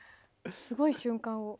すごい瞬間を。